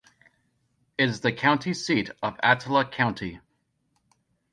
It is the county seat of Attala County.